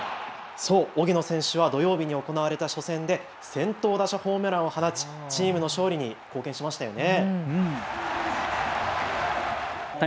そう、荻野選手は土曜日に行われた初戦で先頭打者、ホームランを放ちチームの勝利に貢献しましたよね。